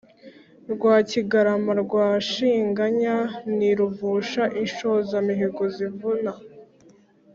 Rwakigarama rwa Shinganya ni Ruvusha Inshozamihigo zivuna